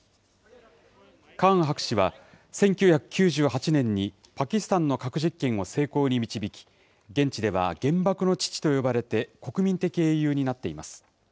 カーン博士は、１９９８年にパキスタンの核実験を成功に導き、現地では原爆の父と呼ばれて国民的英雄になっています。